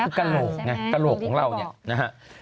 ปั้นเน่งก็คือกระโหลกของเราเนี่ยนะฮะ